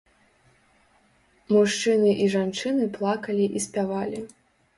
Мужчыны і жанчыны плакалі і спявалі.